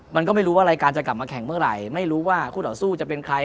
มันก็ไม่รู้ว่ารายการจะกลับมาแข่งเมื่อไหร่ไม่รู้ว่าคู่ต่อสู้จะเป็นใคร